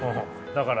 だから。